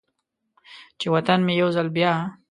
چې و طن مې یو ځل بیا،